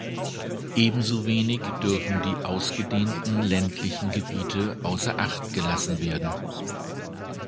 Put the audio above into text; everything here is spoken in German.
Ebenso wenig dürfen die ausgedehnten ländlichen Gebiete außer Acht gelassen werden.